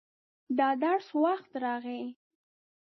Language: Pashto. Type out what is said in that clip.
د درس وخت راغی.